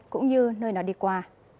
cũng như nơi nó đi qua